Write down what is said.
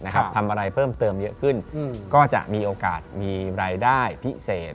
ทำอะไรเพิ่มเติมเยอะขึ้นก็จะมีโอกาสมีรายได้พิเศษ